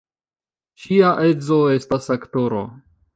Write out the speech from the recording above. Ŝia edzo estas aktoro.